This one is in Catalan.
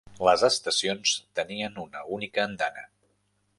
Les estacions tenien una única andana.